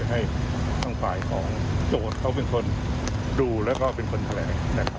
ให้ทางฝ่ายของโจทย์เขาเป็นคนดูและเป็นคนแผล